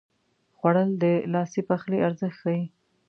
خوړل د لاسي پخلي ارزښت ښيي